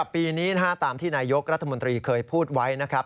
ปีนี้ตามที่นายกรัฐมนตรีเคยพูดไว้นะครับ